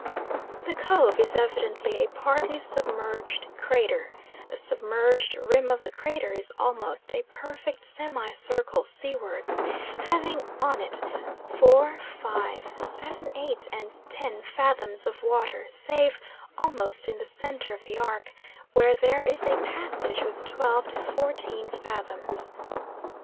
The cove is evidently a partly submerged crater, the submerged rim of the crater is almost a perfect semi circle seawards having on it 4, 5, 7, 8, and 10 fathoms of water save almost in the centre of the arc where there is a passage with 12 to 14 fathoms.